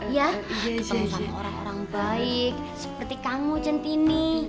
ya ketemu sama orang orang baik seperti kamu centini